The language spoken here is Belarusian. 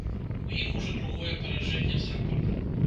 У іх ужо другое паражэнне запар.